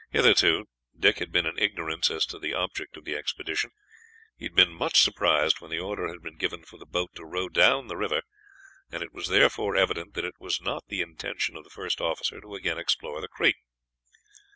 Hitherto, Dick had been in ignorance as to the object of the expedition. He had been much surprised when the order had been given for the boat to row down the river, and it was therefore evident that it was not the intention of the first officer to again explore the creek.